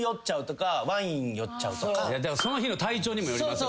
その日の体調にもよりますよね。